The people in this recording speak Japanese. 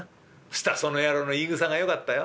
したらその野郎の言いぐさがよかったよ」。